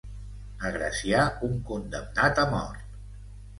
Agraciar un condemnat a mort.